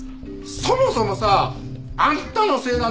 そもそもさあんたのせいなんだからね！